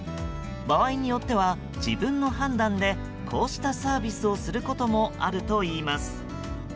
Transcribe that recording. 場合によっては、自分の判断でこうしたサービスをすることもあるといいます。